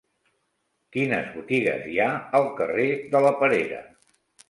Quines botigues hi ha al carrer de la Perera?